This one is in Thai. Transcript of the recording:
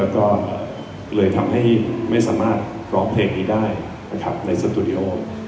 แล้วก็เลยทำให้ไม่สามารถร้องเพลงนี้ได้นะครับในสตูดิโอ